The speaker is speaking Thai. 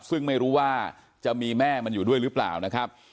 ซึ่งไม่รู้ว่าจะมีแม่มันอยู่ด้วยหรือเปล่านะครับ